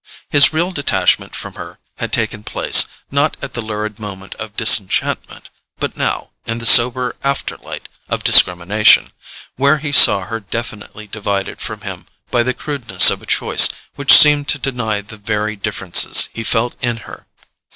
His real detachment from her had taken place, not at the lurid moment of disenchantment, but now, in the sober after light of discrimination, where he saw her definitely divided from him by the crudeness of a choice which seemed to deny the very differences he felt in her.